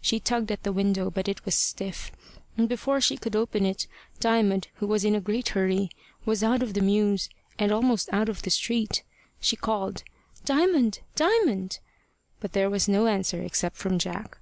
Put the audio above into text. She tugged at the window, but it was stiff; and before she could open it, Diamond, who was in a great hurry, was out of the mews, and almost out of the street. She called "Diamond! Diamond!" but there was no answer except from Jack.